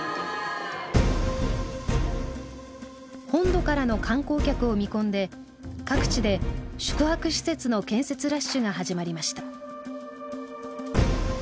本土からの観光客を見込んで各地で宿泊施設の建設ラッシュが始まりました。